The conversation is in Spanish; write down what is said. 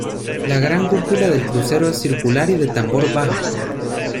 La gran cúpula del crucero es circular y de tambor bajo.